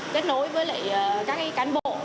kết nối với các cán bộ